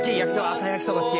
朝焼きそば好き。